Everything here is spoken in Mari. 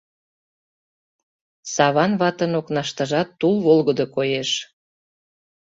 Саван ватын окнаштыжат тул волгыдо коеш.